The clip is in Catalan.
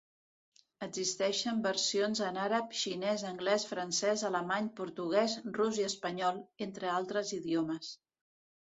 Existeixen versions en àrab, xinès, anglès, francès, alemany, portuguès, rus i espanyol, entre altres idiomes.